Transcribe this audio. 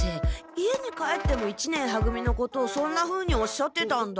家に帰っても一年は組のことをそんなふうにおっしゃってたんだ。